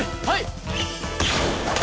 はい！